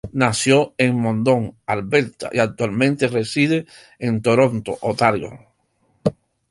Nació en Edmonton, Alberta y actualmente reside en Toronto, Ontario.